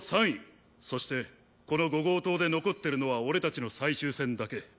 そしてこの伍号棟で残ってるのは俺たちの最終戦だけ。